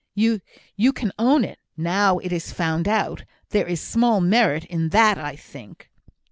you can own it, now it is found out! There is small merit in that, I think!"